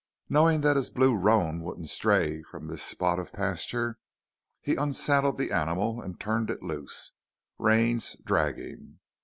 Knowing that his blue roan wouldn't stray from this spot of pasture, he unsaddled the animal and turned it loose, reins dragging.